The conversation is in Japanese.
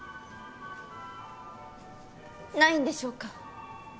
ないんでしょうか？